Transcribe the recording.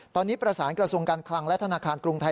ตอนนี้ประสานกระทรวงการคลังและธนาคารกรุงไทย